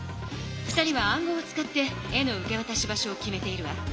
２人は暗号を使って絵の受けわたし場所を決めているわ。